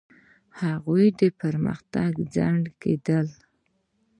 هغوی د پرمختګ خنډ کېدل.